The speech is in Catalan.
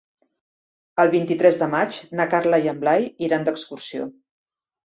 El vint-i-tres de maig na Carla i en Blai iran d'excursió.